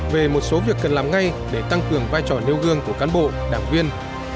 về một số việc cần làm ngay để tăng cường vai trò nêu gương của cán bộ đảng viên